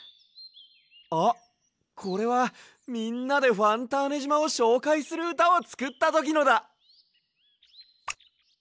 あっこれはみんなでファンターネじまをしょうかいするうたをつくったときのだ！